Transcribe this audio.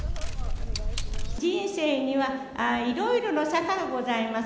人生にはいろいろの坂がございます。